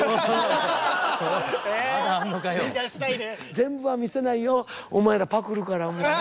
全部は見せないよお前らパクるからもう。